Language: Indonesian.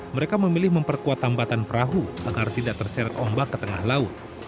mereka memilih memperkuat tambatan perahu agar tidak terseret ombak ke tengah laut